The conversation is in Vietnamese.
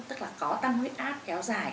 tức là có tăng huyết áp kéo dài